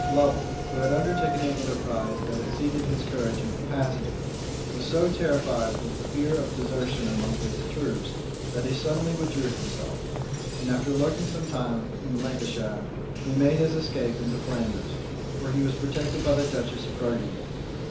Lovel, who had undertaken an enterprise that exceeded his courage and capacity, was so terrified with the fear of desertion among his troops, that he suddenly withdrew himself; and after lurking some time in Lancashire, he made his escape into Flanders, where he was protected by the duchess of Burgundy.